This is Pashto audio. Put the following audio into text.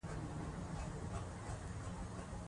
دوی به د پردیو عقیده ماته کړې وي.